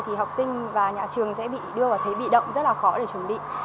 thì học sinh và nhà trường sẽ bị đưa vào thế bị động rất là khó để chuẩn bị